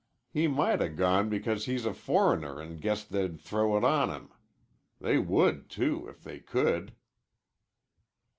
"He might 'a' gone because he's a foreigner an' guessed they'd throw it on him. They would, too, if they could."